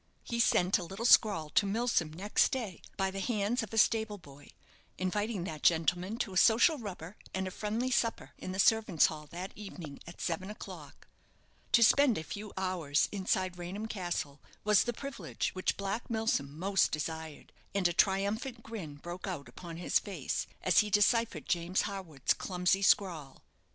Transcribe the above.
He sent a little scrawl to Milsom next day, by the hands of a stable boy, inviting that gentleman to a social rubber and a friendly supper in the servants' hall that evening at seven o'clock. To spend a few hours inside Raynham Castle was the privilege which Black Milsom most desired, and a triumphant grin broke out upon his face, as he deciphered James Harwood's clumsy scrawl.